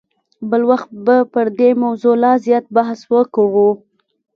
بل وخت به پر دې موضوع لا زیات بحث وکړو.